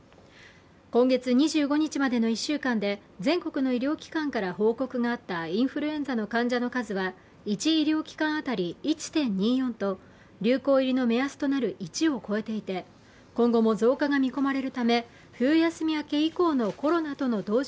今月２５日までの１週間で全国の医療機関から報告があったインフルエンザの患者の数は１医療機関当たり１．２４と流行入りの目安となる１を超えていて今後も増加が見込まれるため冬休み明け以降のコロナとの同時